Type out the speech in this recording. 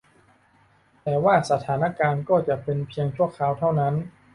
แต่ว่าสถานการณ์ก็จะเป็นเพียงชั่วคราวเท่านั้น